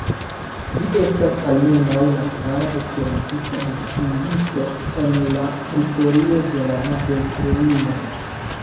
Vi estas almenaŭ la kvara esperantista distingito en la historio de la Nobel-premio.